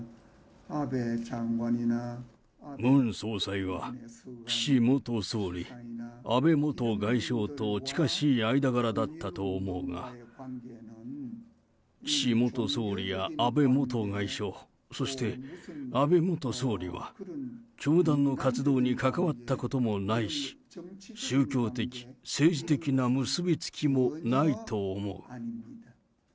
ムン総裁は、岸元総理、安倍元外相と近しい間柄だったと思うが、岸元総理や安倍元外相、そして安倍元総理は、教団の活動に関わったこともないし、宗教的、政治的な結び付きもないと思う。